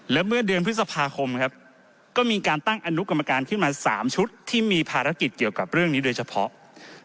และเมื่อเดือนพฤษภาคมครับก็มีการตั้งอนุกรรมการขึ้นมา๓ชุดที่มีภารกิจเกี่ยวกับเรื่องนี้โดยเฉพาะ